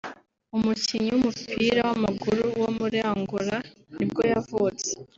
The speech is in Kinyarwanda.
umukinnyi w’umupira w’amaguru wo muri Angola ni bwo yavutse